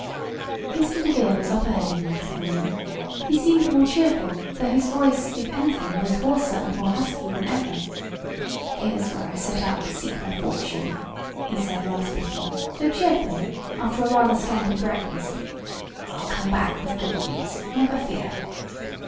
Mr. DeVere was up early the next morning. He seemed more cheerful, though his voice, if anything, was hoarser and more husky than ever. "Here's where I start out to seek my fortune!" he said raspingly, though cheerfully, after a rather scanty breakfast. "I'll come back with good news never fear!"